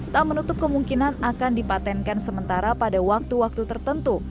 tak menutup kemungkinan akan dipatenkan sementara pada waktu waktu tertentu